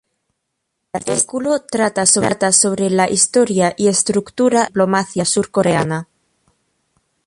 Este artículo trata sobre la historia y estructura de la diplomacia surcoreana.